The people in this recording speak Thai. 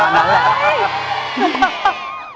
มาก